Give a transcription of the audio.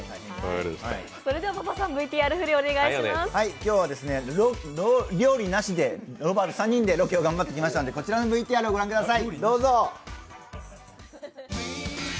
今日は料理なしでロバート３人でロケを頑張ってきましたので、こちらのＶＴＲを御覧ください。